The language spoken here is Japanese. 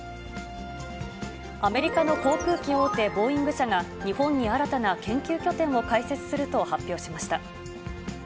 アメリカの航空機大手、ボーイング社が日本に新たな研究拠点を開設すると発表しました。